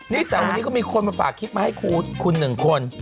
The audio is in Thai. นี่แต่วันนี้ก็มีคนมาฝากคลิปมาให้คุณหนึ่งคน